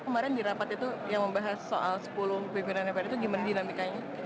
kemarin di rapat itu yang membahas soal sepuluh pimpinan mpr itu gimana dinamikanya